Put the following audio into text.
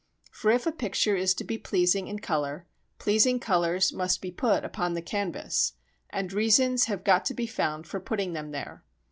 For if a picture is to be pleasing in colour, pleasing colours must be put upon the canvas, and reasons have got to be found for putting them there.